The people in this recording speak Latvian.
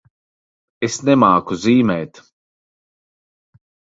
Es nemāku zīmēt.